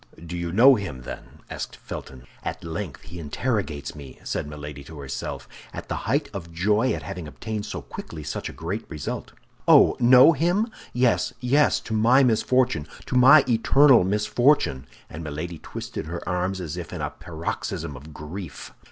"Do you know him, then?" asked Felton. "At length he interrogates me!" said Milady to herself, at the height of joy at having obtained so quickly such a great result. "Oh, know him? Yes, yes! to my misfortune, to my eternal misfortune!" and Milady twisted her arms as if in a paroxysm of grief.